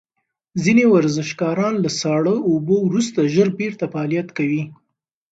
ځینې ورزشکاران له ساړه اوبو وروسته ژر بیرته فعالیت کوي.